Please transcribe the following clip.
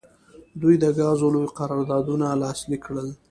دوی د ګازو لوی قراردادونه لاسلیک کړل.